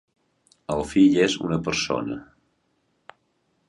El fill és una persona.